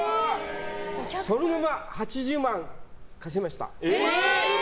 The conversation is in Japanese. そのまま８０万、貸しました。